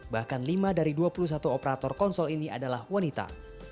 bahkan lima dari dua puluh satu operator konsol ini adalah wanita